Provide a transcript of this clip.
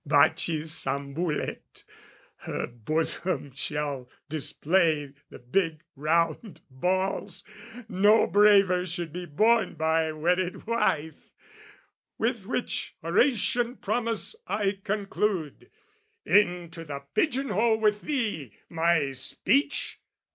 baccis ambulet, Her bosom shall display the big round balls, No braver should be borne by wedded wife! With which Horatian promise I conclude. Into the pigeon hole with thee, my speech!